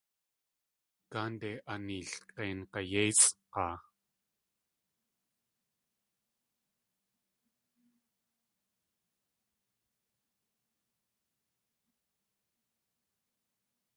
Gáande aneelg̲ein g̲ayéisʼg̲aa!